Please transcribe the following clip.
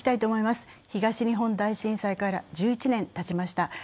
東日本大震災から１１年たちました。